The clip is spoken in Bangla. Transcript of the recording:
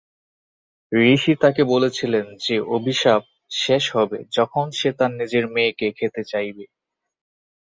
ঋষি তাকে বলেছিলেন যে অভিশাপ শেষ হবে যখন সে তার নিজের মেয়েকে খেতে চাইবে।